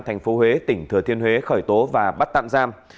thành phố huế tỉnh thừa thiên huế khởi tố và bắt tạm giam